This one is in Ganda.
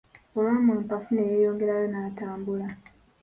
Olwamuwa empafu ne yeeyongerayo n'atambula.